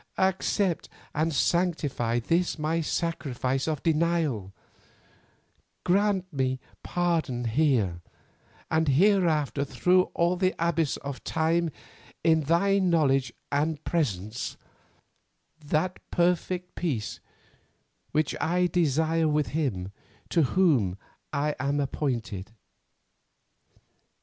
Accept and sanctify this my sacrifice of denial; grant me pardon here, and hereafter through all the abyss of time in Thy knowledge and presence, that perfect peace which I desire with him to whom I am appointed.